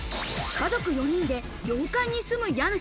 家族４人で洋館に住む家主。